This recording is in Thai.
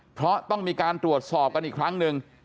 เพราะต้องมีการตรวจสอบกันอีกครั้งหนึ่ง